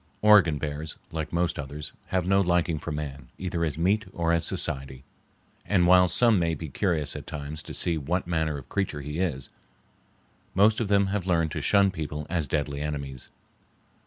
Oregon bears, like most others, have no liking for man either as meat or as society; and while some may be curious at times to see what manner of creature he is, most of them have learned to shun people as deadly enemies.